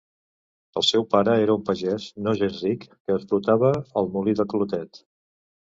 El seu pare era un pagès, no gens ric, que explotava el molí de Clotet.